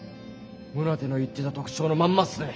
宗手の言ってた特徴のまんまっすね。